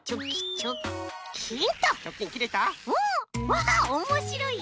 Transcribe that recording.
わあっおもしろい！